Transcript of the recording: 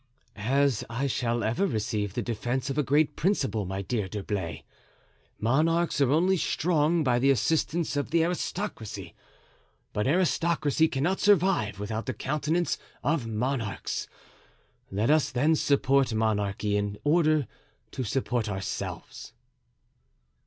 "As I shall ever receive the defense of a great principle, my dear D'Herblay. Monarchs are only strong by the assistance of the aristocracy, but aristocracy cannot survive without the countenance of monarchs. Let us, then, support monarchy, in order to support ourselves.